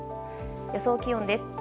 予想気温です。